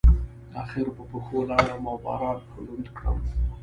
اخر په پښو لاړم او باران ښه لوند کړلم.